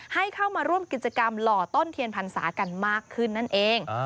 ให้เข้ามาร่วมกิจกรรมหล่อต้นเทียนพรรษากันมากขึ้นนั่นเอง